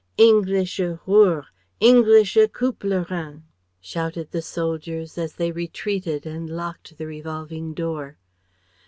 "Englische Hure! Englische Küpplerin," shouted the soldiers as they retreated and locked the revolving door.